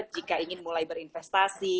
jika ingin mulai berinvestasi